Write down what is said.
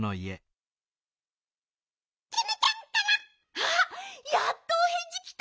あっやっとおへんじきた。